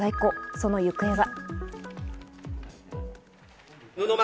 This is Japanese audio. その行方は？